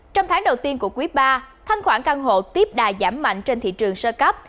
trong tháng đầu tiên của quý ba thanh khoản căn hộ tiếp đà giảm mạnh trên thị trường sơ cấp